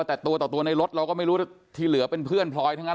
แต่ตัวต่อตัวในรถเราก็ไม่รู้ที่เหลือเป็นเพื่อนพลอยทั้งนั้น